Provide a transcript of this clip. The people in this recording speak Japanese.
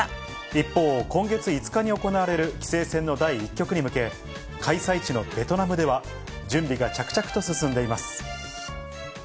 一方、今月５日に行われる棋聖戦の第１局に向け、開催地のベトナムでは、準備が着々と進んでいます。